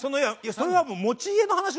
そう持ち家の話。